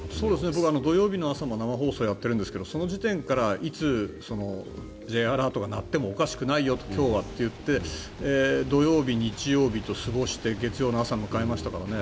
僕、土曜日の朝も生放送をやっているんですがその時点からいつＪアラートが鳴ってもおかしくないよ、今日はと言って土曜日、日曜日と過ごして月曜の朝を迎えましたからね。